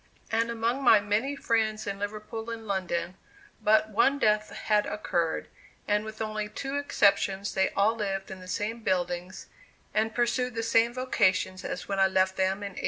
And among my many friends in Liverpool and London, but one death had occurred, and with only two exceptions they all lived in the same buildings, and pursued the same vocations as when I left them in 1847.